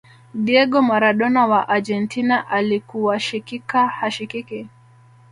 diego maradona wa argentina alikuwashikika hashikiki